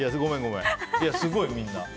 すごいよ、みんな。